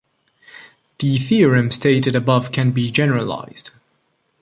The theorem stated above can be generalized.